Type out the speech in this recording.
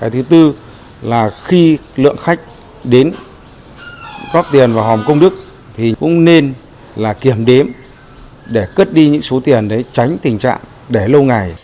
thứ tư là khi lượng khách đến góp tiền vào hòm công đức thì cũng nên kiểm đếm để cất đi những số tiền để tránh tình trạng để lâu ngày